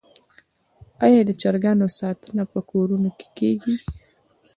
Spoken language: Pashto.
آیا د چرګانو ساتنه په کورونو کې کیږي؟